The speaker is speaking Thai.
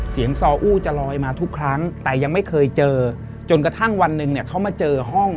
ซออู้จะลอยมาทุกครั้งแต่ยังไม่เคยเจอจนกระทั่งวันหนึ่งเนี่ยเขามาเจอห้อง